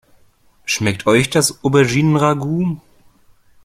Schmeckt euch das Auberginen-Ragout?